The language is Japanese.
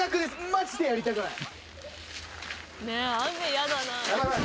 マジでやりたくない。